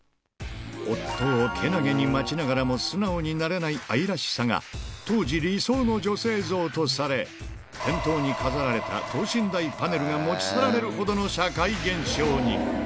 夫をけなげに待ちながらも、素直になれない愛らしさが、当時、理想の女性像とされ、店頭に飾られた等身大パネルが持ち去られるほどの社会現象に。